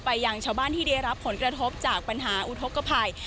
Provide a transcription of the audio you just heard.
ยังชาวบ้านที่ได้รับผลกระทบจากปัญหาอุทธกภัย